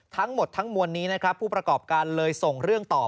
ทั้งหมดทั้งมวลนี้นะครับผู้ประกอบการเลยส่งเรื่องต่อ